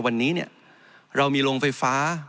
วันนี้เรามีโรงไฟฟ้า